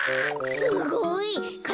すごい！か